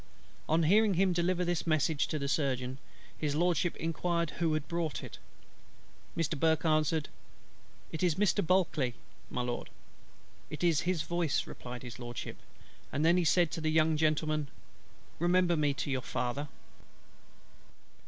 On hearing him deliver this message to the Surgeon, His LORDSHIP inquired who had brought it. Mr. BURKE answered, "It is Mr. BULKLEY, my Lord." "It is his voice," replied His LORDSHIP: he then said to the young gentleman, "Remember me to your father."